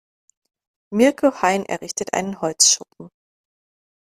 Mirko Hein errichtet einen Holzschuppen.